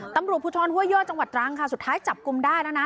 ตำรูปผู้ท้อนหัวเยื่อจังหวัดตรังค่ะสุดท้ายจับกุมได้แล้วนะ